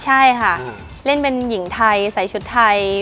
ใช่ค่ะเล่นเป็นหญิงไทยใส่ชุดไทย